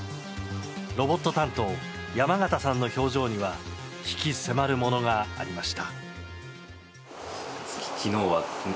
ロボット担当山縣さんの表情には鬼気迫るものがありました。